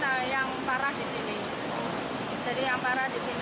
jadi yang parah di sini saya konsentrasi di sini